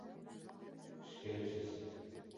Xush kelibsiz.